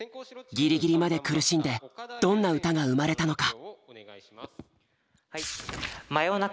ギリギリまで苦しんでどんな歌が生まれたのか。